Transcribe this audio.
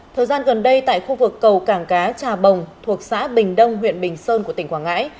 thời gian gần đây tại khu vực cầu cảng cá trà bồng thuộc xã bình đông huyện bình sơn của tỉnh quảng ngãi